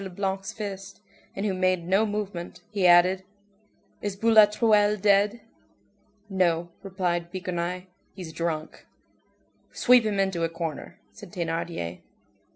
Leblanc's fist, and who made no movement, he added:— "Is Boulatruelle dead?" "No," replied Bigrenaille, "he's drunk." "Sweep him into a corner," said Thénardier.